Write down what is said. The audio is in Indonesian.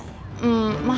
nanti aku balik